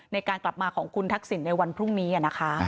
ในการกลับมาของคุณทักษิณในวันพรุ่งนี้นะคะ